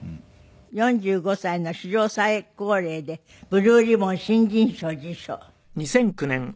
４５歳の史上最高齢でブルーリボン新人賞受賞。